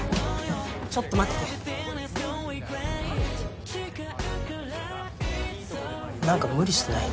ちょっと待ってなんか無理してない？